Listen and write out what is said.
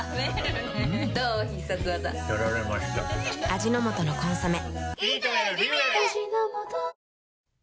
味の素の「コンソメ」